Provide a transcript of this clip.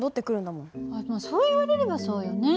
あっでもそう言われればそうよね。